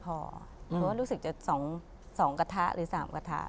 เพราะว่ารู้สึกจะ๒กระทะหรือ๓กระทะ